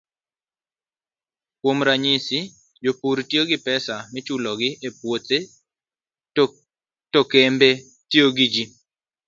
Kuom ranyisi, jopur tiyo gi pesa michulogi e puothe, to kembe tiyo gi ji.